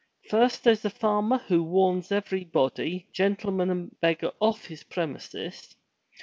First there's a farmer who warns every body, gentleman and beggar, off his premises.